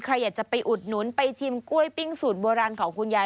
ใครอยากจะไปอุดหนุนไปชิมกล้วยปิ้งสูตรโบราณของคุณยาย